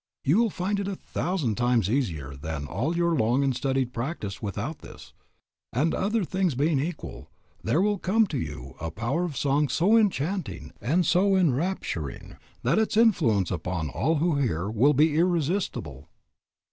You will find it a thousand times easier than all your long and studied practice without this, and other things being equal, there will come to you a power of song so enchanting and so enrapturing that its influence upon all who hear will be irresistible.